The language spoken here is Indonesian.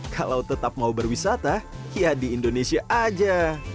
kalau tetap mau berwisata ya di indonesia aja